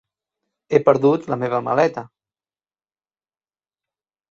He perdut la meva maleta.